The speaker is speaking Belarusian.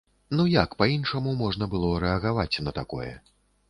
Ну, як па-іншаму можна было рэагаваць на такое?